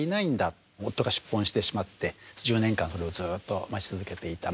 夫が出奔してしまって１０年間それをずっと待ち続けていた。